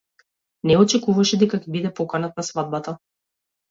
Не очекуваше дека ќе биде поканет на свадбата.